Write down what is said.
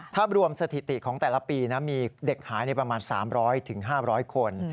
ถ้ารวมสถิติของแต่ละปีนะมีเด็กหายในประมาณ๓๐๐๕๐๐คน